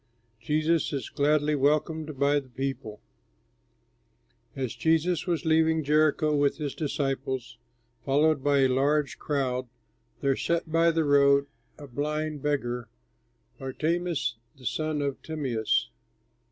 JESUS IS GLADLY WELCOMED BY THE PEOPLE As Jesus was leaving Jericho with his disciples, followed by a large crowd, there sat by the road a blind beggar, Bartimæus (the son of Timæus).